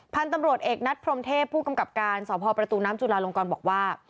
พันธุ์ตำรวจเอกนัดพรมเทพผู้กำกับการสพประตูน้ำจุลาลงกรบอกว่า